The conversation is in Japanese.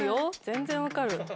全然わかる。